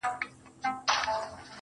يو چا تضاده کړم، خو تا بيا متضاده کړمه.